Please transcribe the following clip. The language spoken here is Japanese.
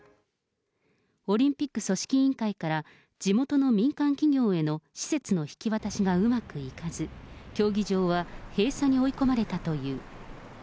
オリンピック組織委員会から、地元の民間企業への施設の引き渡しがうまくいかず、競技場は閉鎖に追い込まれたという。